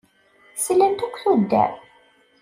Slant akk tuddar.